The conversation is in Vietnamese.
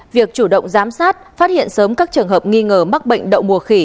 việc chủ động giám sát phát hiện sớm các trường hợp nghi ngờ mắc bệnh đậu mùa khỉ